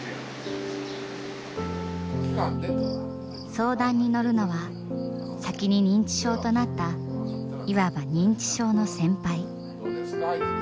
相談に乗るのは先に認知症となったいわば認知症の先輩。